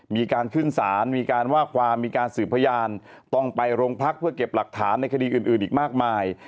มีการขึ้นศาลมีการว่าความมีการสืบพยานต้องไปโรงพักเพื่อเก็บหลักฐานในคดีอื่นอีกมากมาย